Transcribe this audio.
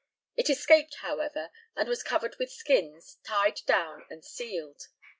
It escaped, however, and was covered with skins, tied down, and sealed.